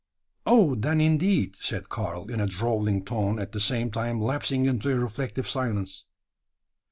"Oh! then, indeed," said Karl, in a drawling tone, at the same time lapsing into a reflective silence.